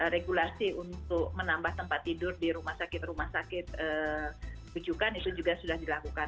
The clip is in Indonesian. regulasi untuk menambah tempat tidur di rumah sakit rumah sakit rujukan itu juga sudah dilakukan